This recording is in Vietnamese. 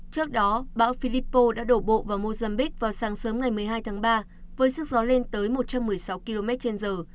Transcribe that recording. trước đó bão philippo đã đổ bộ vào mozambique vào sáng sớm ngày một mươi hai tháng ba với sức gió lên tới một trăm một mươi sáu km trên giờ